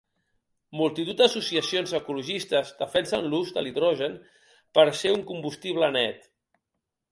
Multitud d'associacions ecologistes defensen l'ús de l'hidrogen per ser un combustible net.